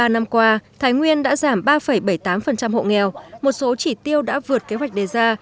ba năm qua thái nguyên đã giảm ba bảy mươi tám hộ nghèo một số chỉ tiêu đã vượt kế hoạch đề ra